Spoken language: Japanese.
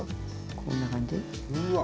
こんな感じ。